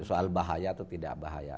soal bahaya atau tidak bahaya